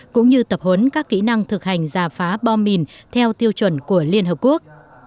cũng như tập huấn các kỹ năng thực hành giả phá bom mìn theo tiêu chuẩn của liên hợp quốc